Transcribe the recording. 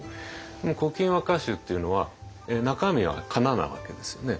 「古今和歌集」っていうのは中身はかななわけですよね。